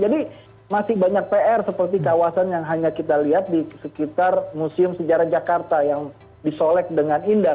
jadi masih banyak pr seperti kawasan yang hanya kita lihat di sekitar museum sejarah jakarta yang disolek dengan indah